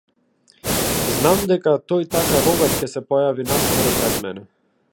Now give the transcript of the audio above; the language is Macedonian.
Знам дека тој така рогат ќе се појави наскоро пред мене.